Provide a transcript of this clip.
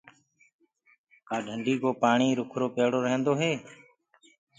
ڪآ ڍندي ڪو پآڻي رُڪرو پيڙو رهيندو هي؟